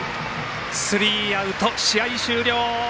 スリーアウト、試合終了。